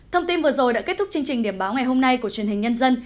thông tin vừa rồi đã kết thúc chương trình điểm báo ngày hôm nay của truyền hình nhân dân